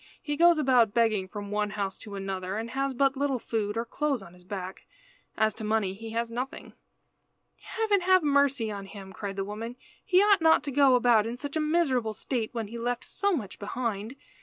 "He goes about begging from one house to another, and has but little food, or clothes on his back. As to money he has nothing." "Heaven have mercy on him!" cried the woman. "He ought not to go about in such a miserable state when he left so much behind.